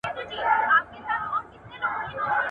واك ضرور دئ د نااهلو حاكمانو.